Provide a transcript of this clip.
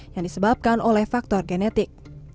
yang disebabkan oleh faktor genetik